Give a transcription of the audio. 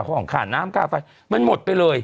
ของค่าน้ำค่าไฟมันหมดไปเลย